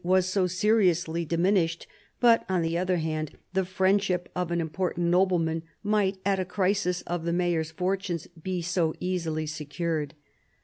was so sferioush' diminished, but on the other hand the friendship of an important nobleman might, at a crisis of the mayor's fortunes, be so easily secured.